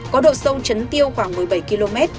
có độ sông chấn tiêu khoảng một mươi bảy km